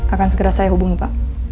akan segera saya hubungi pak